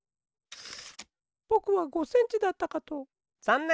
ぼくは５センチだったかと。